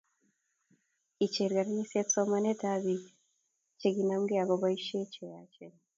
Kicher kanisa somanent ab biik chikinanmke ak cheboisie cheyachen